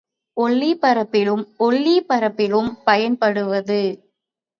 ஒலிபரப்பிலும், ஒளிபரப்பிலும் பயன்படுவது.